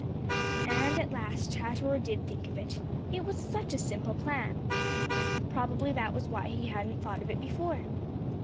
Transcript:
And at last Chatterer did think of it. It was such a simple plan! Probably that was why he hadn't thought of it before.